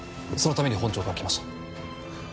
そのために本庁から来ました。